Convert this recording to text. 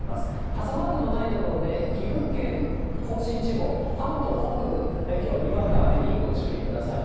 傘マークのない所で、岐阜県、甲信地方、関東北部、きょうはにわか雨にご注意ください。